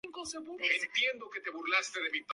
El diseño corrió a cargo del ingeniero James Walker.